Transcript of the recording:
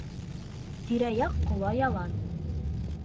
Тирә-яҡ ҡола ялан.